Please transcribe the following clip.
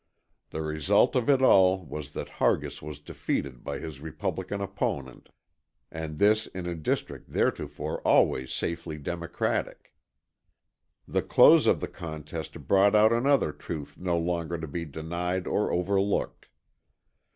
The result of it all was that Hargis was defeated by his Republican opponent, and this in a district theretofore always safely Democratic. The close of the contest brought out another truth no longer to be denied or overlooked.